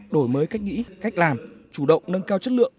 đổi mới cách nghĩ cách làm chủ động nâng cao chất lượng